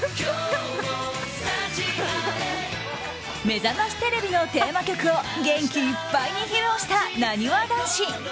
「めざましテレビ」のテーマ曲を元気いっぱいに披露したなにわ男子。